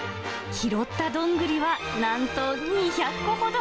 拾ったどんぐりは、なんと２００個ほど。